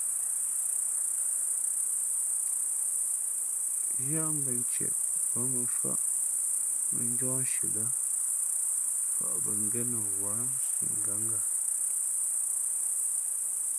Yáá mbᾱ ntieʼ wěn mαmfάʼ mᾱnjɔ́ nshi lά mfαʼ bᾱ ngénα mα wǎ si ngǎnga.